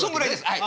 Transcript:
はい。